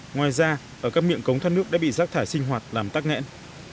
ngoài ra ở các miệng cống thoát nước đã bị rác thải sinh hoạt làm tắc nghẽn